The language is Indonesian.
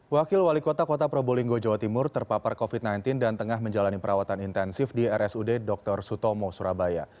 wakil wali kota kota probolinggo jawa timur terpapar covid sembilan belas dan tengah menjalani perawatan intensif di rsud dr sutomo surabaya